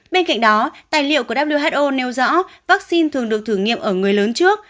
bên cạnh đó tài liệu của who nêu rõ vaccine thường được thử nghiệm ở người lớn trước